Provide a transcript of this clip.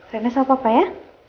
saya nesal papa ya